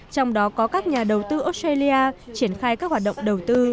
trong đó có các nhà đầu tư australia triển khai các hoạt động đầu tư